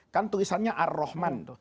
kan tulisannya ar rahman